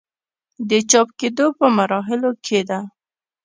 د چاپ کيدو پۀ مراحلو کښې ده